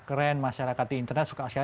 keren masyarakat di internet suka share